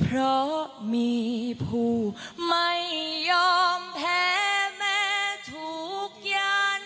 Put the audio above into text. เพราะมีผู้ไม่ยอมแพ้แม้ทุกวัน